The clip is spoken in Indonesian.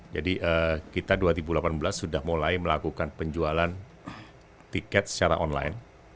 jadi kita dua ribu delapan belas sudah mulai melakukan penjualan tiket secara online